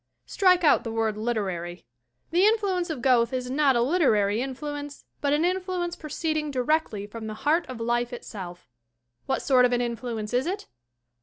Strike out the word "literary." The influence of Goethe is not a literary influence, but an influence proceeding directly from the heart of life itself. What sort of an influence is it?